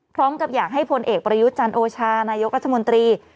พร้อมกับอยากให้พลเอกประยุทธ์จันโอชานายกรัฐมนตรี